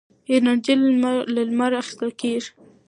انرژي له لمره اخېستل کېږي.